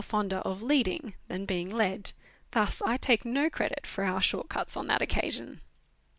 fonder of leading than being led. Thus, I take no credit for our short cuts on that occasion.